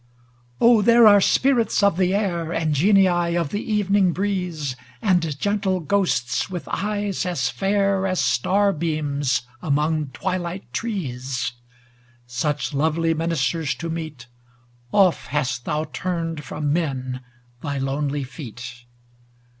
Oh, there are spirits of the air, And genii of the evening breeze, And gentle ghosts, with eyes as fair As star beams among twilight trees ! Such lovely ministers to meet Oft hast thou turned from men thy lonely feet.